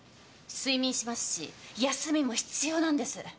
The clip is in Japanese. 睡眠しますし休みも必要なんです。